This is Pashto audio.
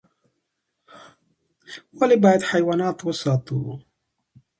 ولي بايد حيوانات وساتو؟